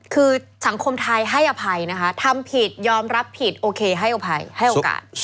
คือสังคมไทยให้อภัยนะคะทำผิดยอมรับผิดโอเคให้อภัยให้โอกาส